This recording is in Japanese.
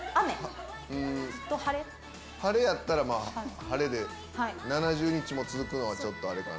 晴れやったら晴れで７０日も続くのはあれかな。